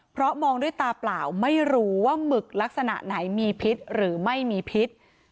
เพราะมองด้วยตาเปล่าไม่รู้ว่าหมึกลักษณะไหนมีพิษหรือไม่มีพิษ